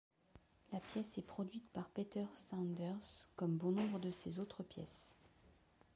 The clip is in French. La pièce est produite par Peter Saunders, comme bon nombre de ses autres pièces.